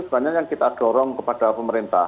banyak yang kita dorong kepada pemerintah